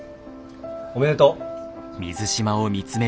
おめでとう。